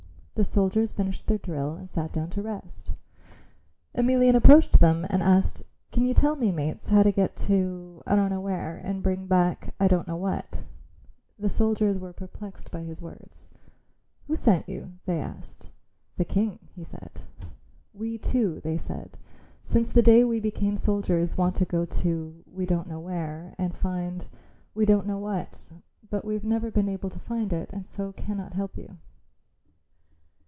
The soldiers finished their drill and sat down to rest. Emelian approached them and asked, "Can you tell me, mates, how to get to I don't know where and bring back I don't know what." The soldiers were perplexed at his words. "Who sent you?" they asked. "The King," he said. "We too," they said, "since the day we became soldiers want to go to we don't know where and find we don't know what, but we've never been able to find it and so cannot help you."